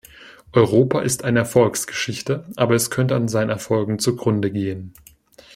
Europa ist eine Erfolgsgeschichte, aber es könnte an seinen Erfolgen zugrunde gehen.